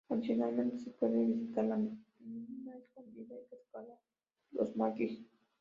Adicionalmente, se pueden visitar la mina Escondida y cascada Los Maquis.